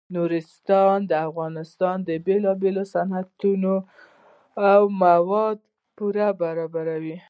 نورستان د افغانستان د بیلابیلو صنعتونو لپاره مواد پوره برابروي.